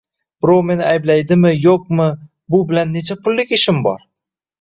Birov meni ayblaydimi-yo`qmi, bu bilan necha pullik ishim bor